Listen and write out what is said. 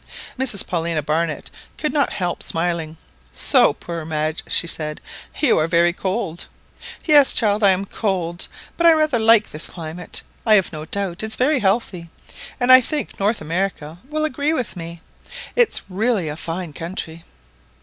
Mrs Paulina Barnett could not help smiling. "So, poor Madge," she said, "you are very cold!" "Yes, child, I am cold; but I rather like this climate. I've no doubt it's very healthy, and I think North America will agree with me. It's really a very fine country